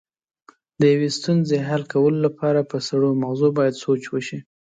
د یوې ستونزې حل کولو لپاره په سړو مغزو باید سوچ وشي.